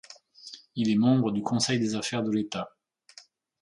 Il est membre du Conseil des affaires de l'État.